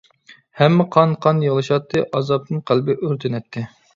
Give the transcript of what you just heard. ھەممە قان-قان يىغلىشاتتى، ئازابتىن قەلبى ئۆرتىنەتتى.